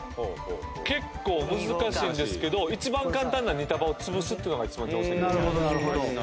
結構難しいんですけど一番簡単な２束を潰すっていうのが一番定石ですね。